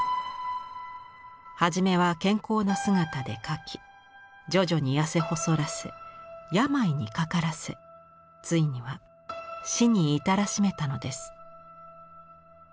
初めは健康な姿で描き徐々に痩せ細らせ病にかからせついには死に至らしめたのです。